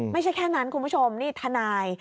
ไม่ใช่แค่นั้นคุณผู้ชมนี่ทนาย